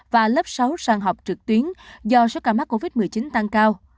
và lớp sáu sang học trực tuyến do số ca mắc covid một mươi chín tăng cao